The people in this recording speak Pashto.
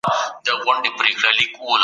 شجاع الدوله موقف ټینګ کړ.